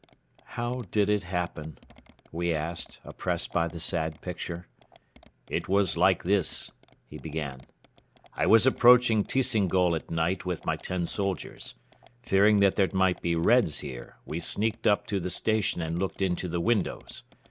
"How did it happen?" we asked, oppressed by the sad picture. "It was like this," he began. "I was approaching Tisingol at night with my ten soldiers. Fearing that there might be Reds here, we sneaked up to the station and looked into the windows.